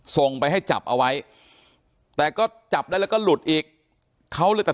ส่งไปให้จับเอาไว้แต่ก็จับได้แล้วก็หลุดอีกเขาเลยตัด